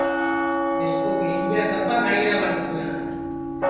مِسکُو بھینٚڈؔیاں سپا گھٹؔیاں وٹؔتیاں ہے